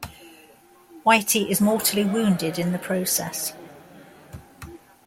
Whitey is mortally wounded in the process.